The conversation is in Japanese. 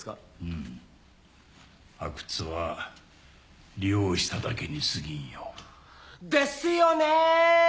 んー阿久津は利用しただけにすぎんよ。ですよね！